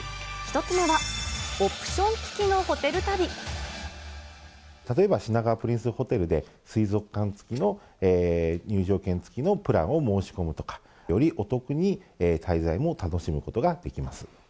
１つ目は、例えば、品川プリンスホテルで、水族館付きの、入場券付きのプランを申し込むとか、よりお得に滞在も楽しむことができます。